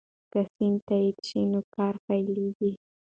که سند تایید شي نو کار پیلیږي.